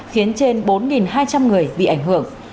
khiến trên bốn hai trăm linh người bị ảnh hưởng